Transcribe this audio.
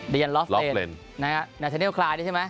ดียันลอฟเลนนาทานิลคลายใช่ไหม